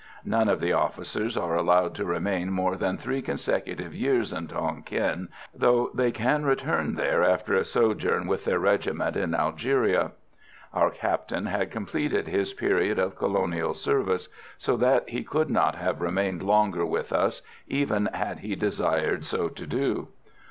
None of the officers are allowed to remain more than three consecutive years in Tonquin, though they can return there after a sojourn with their regiment in Algeria. Our Captain had completed his period of colonial service, so that he could not have remained longer with us even had he desired so to do.